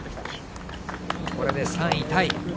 これで３位タイ。